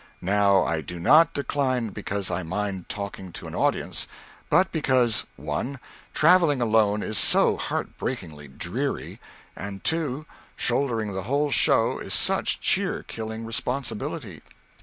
Now, I do not decline because I mind talking to an audience, but because (1) travelling alone is so heart breakingly dreary, and (2) shouldering the whole show is such cheer killing responsibility.